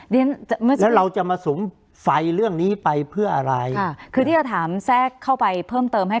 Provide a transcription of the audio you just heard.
และเราจะมาสุมฝ่ายเรื่องนี้ไปเพื่ออะไรคือที่จะถามแทรกเข้าไปเพิ่มเติมให้